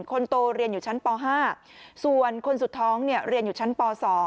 คนโตเรียนอยู่ชั้นป๕ส่วนคนสุดท้องเรียนอยู่ชั้นป๒